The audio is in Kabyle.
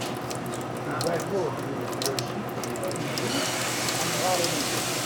Lbabur bu leḥwaci, iwwi amɣar ilemẓi.